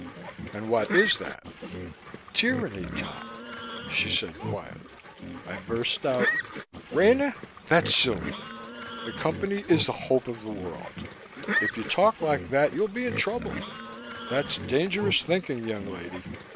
"And what is that?" "Tyranny, Tom," she said quietly. I burst out, "Rena, that's silly! The Company is the hope of the world. If you talk like that, you'll be in trouble. That's dangerous thinking, young lady.